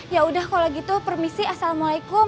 ya udah kalau gitu permisi assalamualaikum